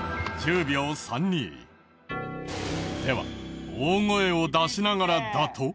では大声を出しながらだと。